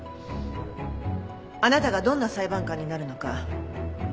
あなたがどんな裁判官になるのか楽しみね。